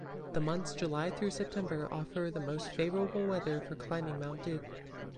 The months July through September offer the most favorable weather for climbing Mount Duke.